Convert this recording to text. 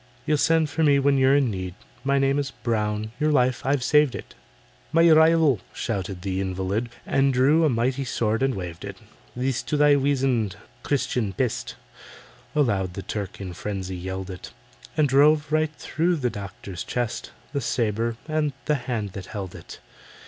"You'll send for me when you're in need— My name is BROWN—your life I've saved it." "My rival!" shrieked the invalid, And drew a mighty sword and waved it: "This to thy weazand, Christian pest!" Aloud the Turk in frenzy yelled it, And drove right through the doctor's chest The sabre and the hand that held it.